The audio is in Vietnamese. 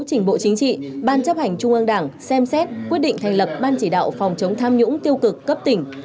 chỉnh bộ chính trị ban chấp hành trung ương đảng xem xét quyết định thành lập ban chỉ đạo phòng chống tham nhũng tiêu cực cấp tỉnh